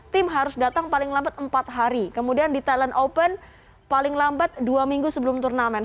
tim harus datang paling lambat empat hari kemudian di thailand open paling lambat dua minggu sebelum turnamen